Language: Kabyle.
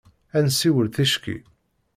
Ad nessiwel ticki.